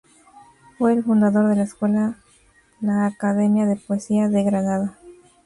Fue el fundador de la escuela la academia de poesía de Granada.